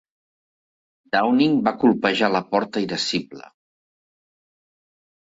Downing va colpejar la porta irascible.